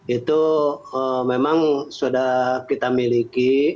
itu memang sudah kita miliki